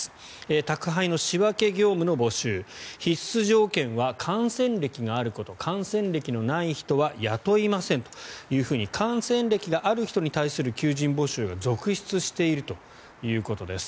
宅配の仕分け業務の募集必須条件は感染歴があること感染歴のない人は雇いませんというふうに感染歴がある人に対する求人募集が続出しているということです。